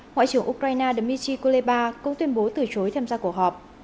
ngoại trưởng ukraine dmitry kuleba cũng tuyên bố từ chối tham gia cuộc họp